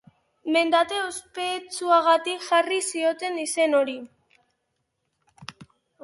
Mendate ospetsuagatik jarri zioten izen hori.